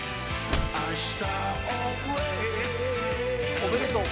おめでとう。